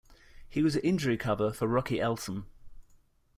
He was injury cover for Rocky Elsom.